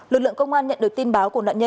lực lượng công an nhận được tin báo của nạn nhân